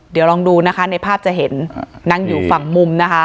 เดี๋ยวลองดูนะคะในภาพจะเห็นนั่งอยู่ฝั่งมุมนะคะ